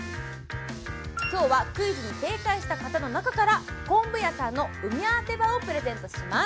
今日はクイズに正解した方の中からこんぶ屋さんのうみぁーっ手羽をプレゼントします